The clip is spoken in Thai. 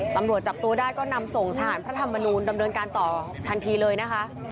ตำรวจจับตัวได้ก็นำส่งทหารพระธรรมนูลดำเนินการต่อทันทีเลยนะคะ